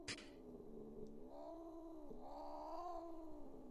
Přesto ji nechal nakonec popravit.